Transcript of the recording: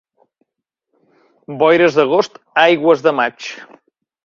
Boires d'agost, aigües de maig.